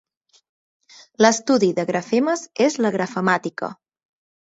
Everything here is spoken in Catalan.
L'estudi de grafemes és la grafemàtica.